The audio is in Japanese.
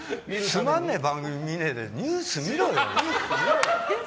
つまんない番組、見ないでニュース見ろよ。